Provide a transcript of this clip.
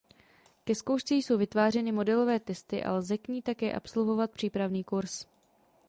Ke zkoušce jsou vytvářeny modelové testy a lze k ní také absolvovat přípravný kurz.